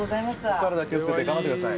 お体気を付けて頑張ってください。